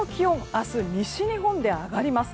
明日、西日本で上がります。